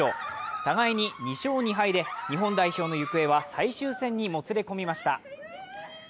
互いに２勝２敗で日本代表の行方は最終戦にもつれ込みました。